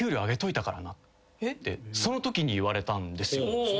そのときに言われたんですよ。